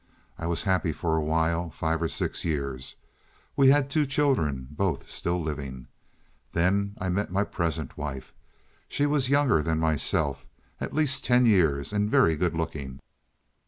I was happy for a while—five or six years. We had two children—both still living. Then I met my present wife. She was younger than myself—at least ten years, and very good looking.